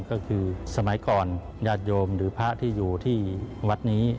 ก็คือสมัยก่อนญาติโยมหรือพระที่อยู่ที่วัดนี้